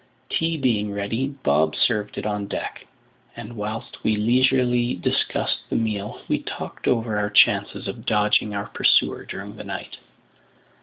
Tea being ready, Bob served it on deck; and whilst we leisurely discussed the meal, we talked over our chances of dodging our pursuer during the night.